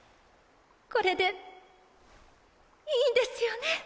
これでいいんですよね！